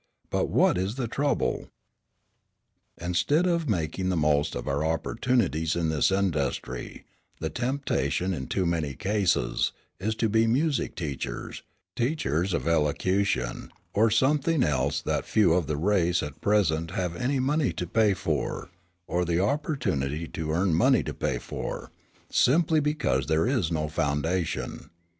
But what is the trouble? "Instead of making the most of our opportunities in this industry, the temptation, in too many cases, is to be music teachers, teachers of elocution, or something else that few of the race at present have any money to pay for, or the opportunity to earn money to pay for, simply because there is no foundation.